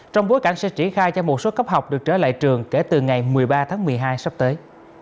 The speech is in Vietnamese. trong bối cảnh sẽ triển khai cho một số cấp học được trở lại trường kể từ ngày một mươi ba tháng một mươi hai sắp tới